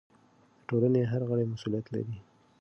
د ټولنې هر غړی مسؤلیت لري.